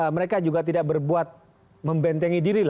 mereka juga tidak berbuat membentengi diri